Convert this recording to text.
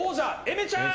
めちゃん。